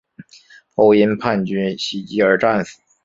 后因叛军袭击而战死。